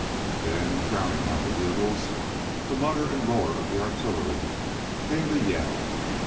Then, drowning out the bugles, the mutter and roar of the artillery, came the Yell.